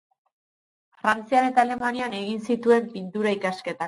Frantzian eta Alemanian egin zituen Pintura ikasketak.